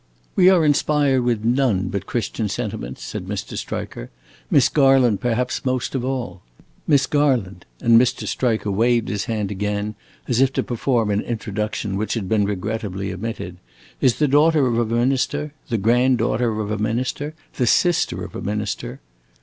"We are inspired with none but Christian sentiments," said Mr. Striker; "Miss Garland perhaps most of all. Miss Garland," and Mr. Striker waved his hand again as if to perform an introduction which had been regrettably omitted, "is the daughter of a minister, the granddaughter of a minister, the sister of a minister."